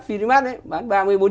phinimat bán ba mươi bốn mươi